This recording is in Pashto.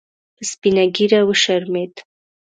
په سپینه ګیره وشرمید